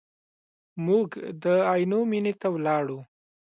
موږ د عینو مینې ته ولاړو.